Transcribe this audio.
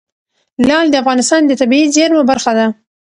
لعل د افغانستان د طبیعي زیرمو برخه ده.